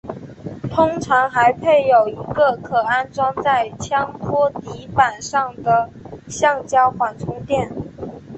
通常还配有一个可安装在枪托底板上的橡胶缓冲垫。